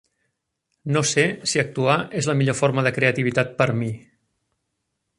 No sé si actuar és la millor forma de creativitat per a mi.